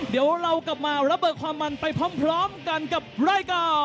เดี๋ยวเรากลับมาระเบิดความมันไปพร้อมกันกับรายการ